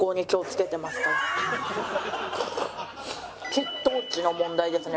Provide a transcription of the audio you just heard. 血糖値の問題ですね。